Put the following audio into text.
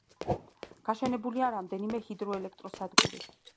გაშენებულია რამდენიმე ჰიდროელექტროსადგური.